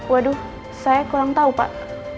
waduh saya kurang tahu pak